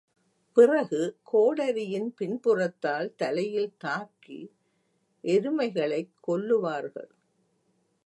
பிறகு கோடரியின் பின்புறத்தால் தலையில் தாக்கி, எருமைகளைக் கொல்லுவார்கள்.